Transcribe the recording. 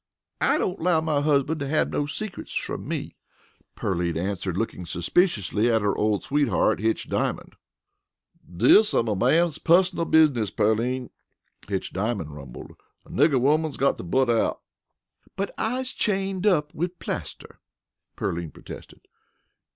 "I don't allow my husbunt to hab no secrets from me," Pearline answered looking suspiciously at her old sweetheart, Hitch Diamond. "Dis am a man's pussonal bizzness, Pearline," Hitch Diamond rumbled. "A nigger woman is got to butt out." "But I's chained up wid Plaster," Pearline protested.